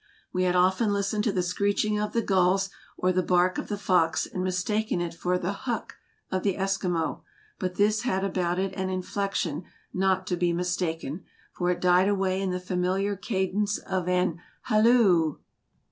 We had often listened to the screeching of the gulls or the bark of the fox and mistaken it for the " Huk " of the Esquimaux, but this had about it an inflection not to be mistaken, for it died away in the familiar cadence of an " halloo."